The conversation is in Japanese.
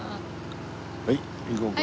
はい行こうか。